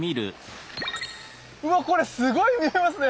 うわっこれすごい見えますね！